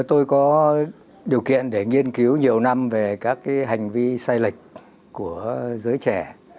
tôi có điều kiện để nghiên cứu nhiều năm về các hành vi sai lệch của giới trẻ